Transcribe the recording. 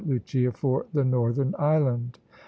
Lucia for the northern island.